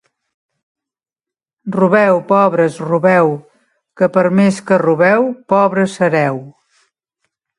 Robeu, pobres, robeu, que per més que robeu, pobres sereu.